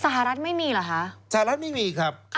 สหรัฐไม่มีครับ